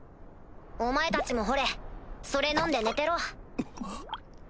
お前たちもほれそれ飲んで寝てろ。